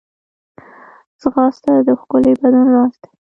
ځغاسته د ښکلي بدن راز دی